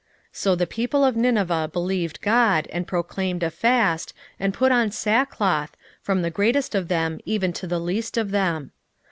3:5 So the people of Nineveh believed God, and proclaimed a fast, and put on sackcloth, from the greatest of them even to the least of them.